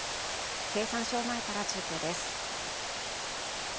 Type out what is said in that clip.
経産省前から中継です。